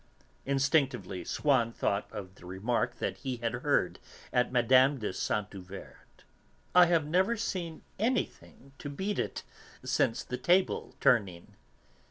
Instinctively Swann thought of the remark that he had heard at Mme. de Saint Euverte's: "I have never seen anything to beat it since the table turning."